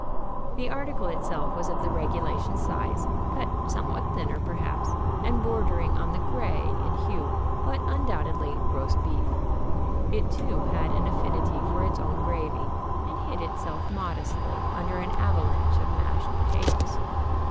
The article itself was of the regulation size, cut somewhat thinner, perhaps, and bordering on the gray in hue, but undoubtedly roast beef. It, too, had an affinity for its own gravy and hid itself modestly under an avalanche of mashed potatoes.